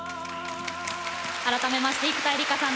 改めまして生田絵梨花さん